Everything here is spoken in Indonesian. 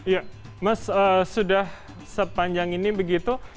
ya mas sudah sepanjang ini begitu